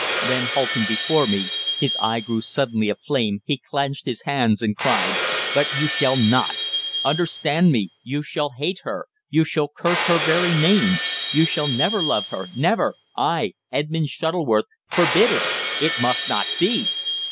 Then, halting before me, his eye grew suddenly aflame, he clenched his hands and cried: "But you shall not! Understand me, you shall hate her; you shall curse her very name. You shall never love her never I, Edmund Shuttleworth, forbid it! It must not be!"